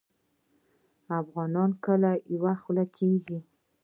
افغانان کله یوه خوله کیږي؟